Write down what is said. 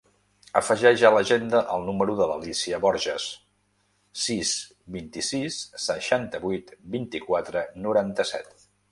Afegeix a l'agenda el número de l'Alícia Borjas: sis, vint-i-sis, seixanta-vuit, vint-i-quatre, noranta-set.